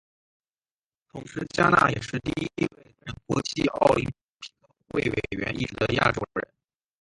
同时嘉纳也是第一位担任国际奥林匹克委员会委员一职的亚洲人。